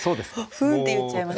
ふんって言っちゃいました。